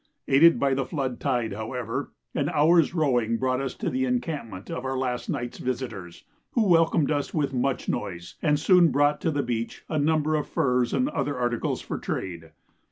Aided by the flood tide, however, an hour's rowing brought us to the encampment of our last night's visitors, who welcomed us with much noise, and soon brought to the beach a number of furs and other articles for trade.